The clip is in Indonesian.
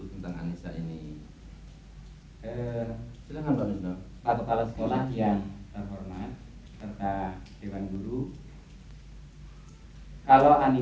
kita masih bisa bertemu setiap hari